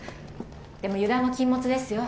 でも油断は禁物ですよ